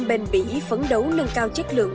bên bỉ phấn đấu nâng cao chất lượng